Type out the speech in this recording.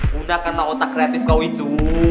guna kena otak kreatif kau itu